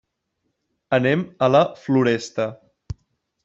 Anem a la Floresta.